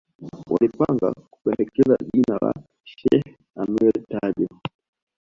Walipanga kupendekeza jina la Sheikh Ameir Tajo